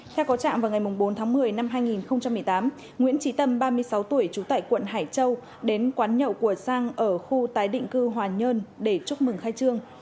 theo có trạm vào ngày bốn tháng một mươi năm hai nghìn một mươi tám nguyễn trí tâm ba mươi sáu tuổi trú tại quận hải châu đến quán nhậu của sang ở khu tái định cư hòa nhơn để chúc mừng khai trương